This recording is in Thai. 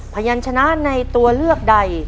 พยานชนะในตัวเลือกใด